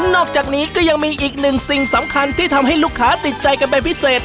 นอกจากนี้ก็ยังมีอีกหนึ่งสิ่งสำคัญที่ทำให้ลูกค้าติดใจกันเป็นพิเศษ